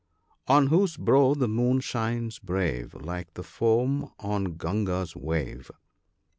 " On whose brow the Moon shines brave, Like the foam on Gunga's wave.